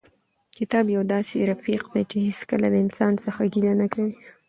کتاب یو داسې رفیق دی چې هېڅکله له انسان څخه ګیله نه کوي.